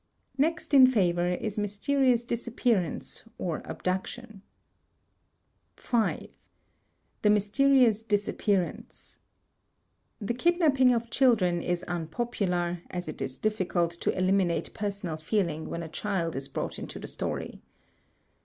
Next in favor is mys terious disappearance, or abduction. 5. The Mysterious Disappearance The kidnapping of children is unpopular, as it is difficult to eliminate personal feeling when a child is brought into the story.